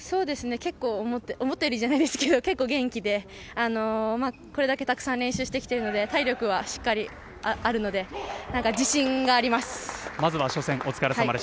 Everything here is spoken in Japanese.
結構思ったより思ったよりじゃないですけど結構元気でこれだけたくさん練習してきているので体力はしっかりあるので自信があります。